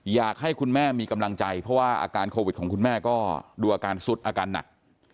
อยากให้คุณแม่มีกำลังใจเพราะว่าอาการโควิดของคุณแม่ก็ดูอาการสุดอาการหนัก